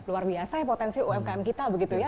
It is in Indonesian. luar biasa ya potensi umkm kita begitu ya